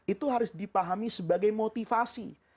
itu harus dipahami sebagai motivasi